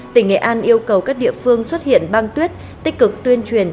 tỉnh nghệ an yêu cầu các địa phương xuất hiện băng tuyết tích cực tuyên truyền